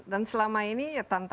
dan selama ini